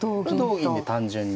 同銀で単純に。